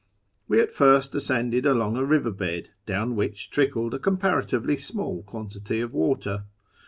We at first ascended along a river bed, down which trickled a comparatively small quantity of water.